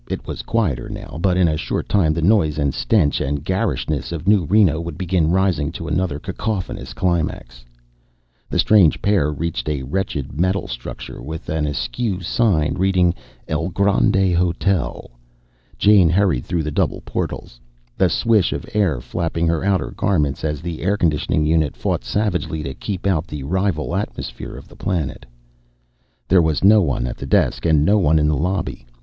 It was quieter now, but in a short time the noise and stench and garishness of New Reno would begin rising to another cacophonous climax. The strange pair reached a wretched metal structure with an askew sign reading, "El Grande Hotel." Jane hurried through the double portals, the swish of air flapping her outer garments as the air conditioning unit fought savagely to keep out the rival atmosphere of the planet. There was no one at the desk and no one in the lobby.